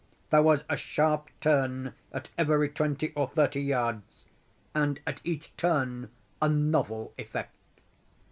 There was a sharp turn at every twenty or thirty yards, and at each turn a novel effect.